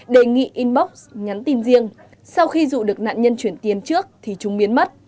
đề nghị inbox nhắn tin riêng sau khi dụ được nạn nhân chuyển tiền trước thì chúng biến mất